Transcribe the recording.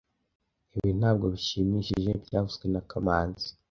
Ibi ntabwo bishimishije byavuzwe na kamanzi